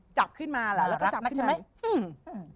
จับขึ้นมาแล้วก็จับขึ้นมา